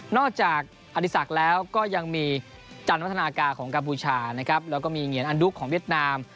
นอกจากอธิสักแล้วก็ยังมีจันทนากาของกาพูชานะครับแล้วก็มีเหงียนอันดุ๊กของเวียดนาม